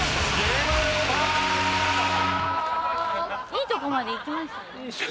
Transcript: いいとこまでいきましたよね。